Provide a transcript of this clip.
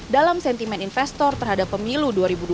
dalam sentimen investor terhadap pemilu dua ribu dua puluh